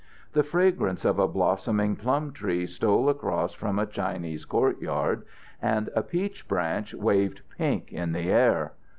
The fragrance of a blossoming plum tree stole across from a Chinese courtyard, and a peach branch waved pink in the air.